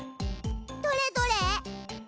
どれどれ？